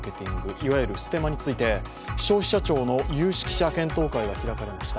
いわゆるステマについて消費者庁の有識者検討会が開かれました。